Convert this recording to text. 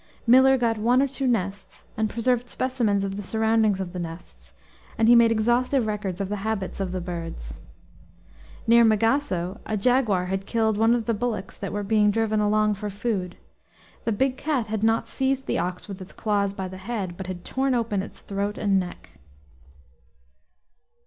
Miller got one or two nests, and preserved specimens of the surroundings of the nests; and he made exhaustive records of the habits of the birds. Near Megasso a jaguar had killed one of the bullocks that were being driven along for food. The big cat had not seized the ox with its claws by the head, but had torn open its throat and neck.